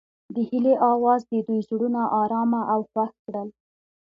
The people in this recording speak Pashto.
د هیلې اواز د دوی زړونه ارامه او خوښ کړل.